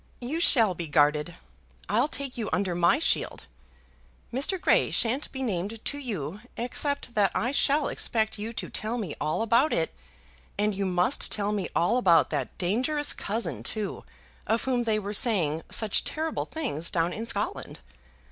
"You shall be guarded. I'll take you under my shield. Mr. Grey shan't be named to you, except that I shall expect you to tell me all about it; and you must tell me all about that dangerous cousin, too, of whom they were saying such terrible things down in Scotland.